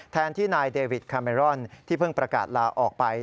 แทนที่นายเดวิดคาเมรอนที่เพิ่งประกาศลาออกไป